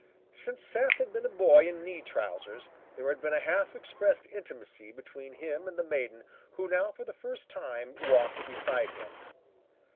Since Seth had been a boy in knee trousers there had been a half expressed intimacy between him and the maiden who now for the first time walked beside him.